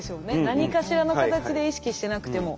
何かしらの形で意識してなくても。